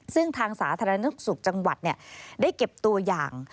ซึ่งทางสาธารณสุขจังหวัดได้เก็บตัวอย่าง